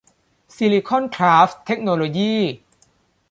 ซิลิคอน คราฟท์ เทคโนโลยี